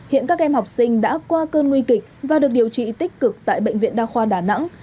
hiện các em học sinh đã qua cơn nguy kịch và được điều trị tích cực tại bệnh viện đa khoa đà nẵng